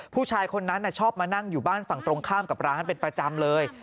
ผู้ชายคนนั้นชอบมานั่งอยู่บ้านฝั่งตรงข้ามกับร้านเป็นประจำเลย